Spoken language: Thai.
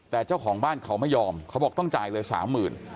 แต่เจ้าของบ้านเขาไม่ยอมเขาบอกต้องจ่ายเลยสามหมื่น